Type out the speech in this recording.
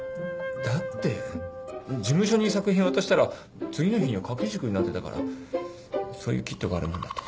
だって事務所に作品を渡したら次の日には掛け軸になってたからそういうキットがあるもんだと。